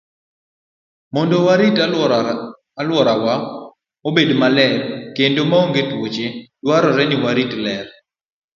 Mondo warit alworawa obed maler kendo maonge tuoche, dwarore ni warit ler.